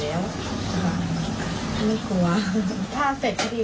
แล้วตอนนี้ศาลให้ประกันตัวออกมาแล้ว